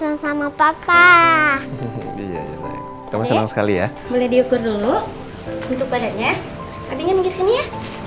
oleh aku mau peces sama papa kamu senang sekali ya mulai diukur dulu untuk badannya adanya